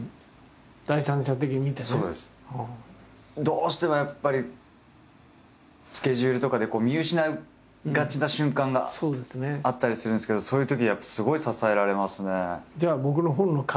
どうしてもやっぱりスケジュールとかで見失いがちな瞬間があったりするんですけどそういうときやっぱすごい支えられますね。